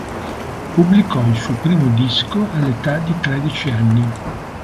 Pubblicò il suo primo disco all'età di tredici anni.